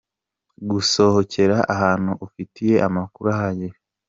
Gusohokera ahantu ufitiye amakuru ahagije .